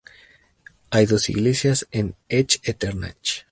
Hay dos iglesias en Echternach.